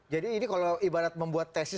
jadi ini kalau ibarat membuat tes